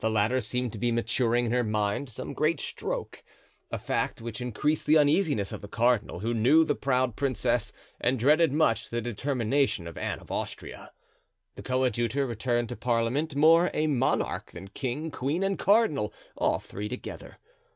The latter seemed to be maturing in her mind some great stroke, a fact which increased the uneasiness of the cardinal, who knew the proud princess and dreaded much the determination of Anne of Austria. The coadjutor returned to parliament more a monarch than king, queen, and cardinal, all three together.